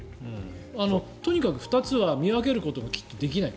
とにかく２つは見分けることがきっとできない。